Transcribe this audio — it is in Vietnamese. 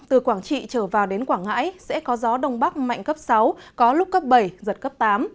từ quảng trị trở vào đến quảng ngãi sẽ có gió đông bắc mạnh cấp sáu có lúc cấp bảy giật cấp tám